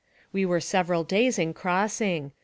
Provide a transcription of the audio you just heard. We were several days in crossing.